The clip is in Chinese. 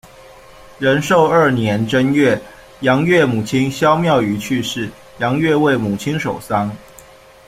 仁寿二年正月，杨岳母亲萧妙瑜去世，杨岳为母亲守丧。